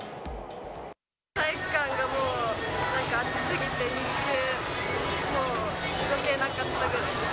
体育館がもう暑すぎて、日中、もう、動けなかったです。